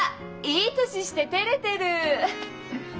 いい年しててれてる。